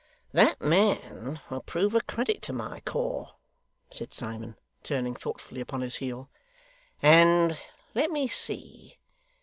'That man will prove a credit to my corps,' said Simon, turning thoughtfully upon his heel. 'And let me see.